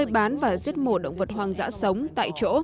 bán và giết mổ động vật hoang dã sống tại chỗ